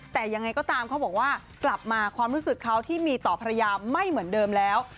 แต่ยังไงก็ตามเขาบอกว่ากลับมาความรู้สึกเขาที่มีต่อภรรยาไม่เหมือนเดิมแล้ว